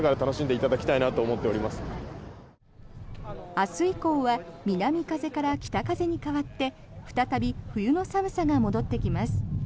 明日以降は南風から北風に変わって再び冬の寒さが戻ってきます。